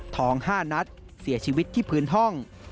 ๕นัดเสียชีวิตที่พื้นห้อง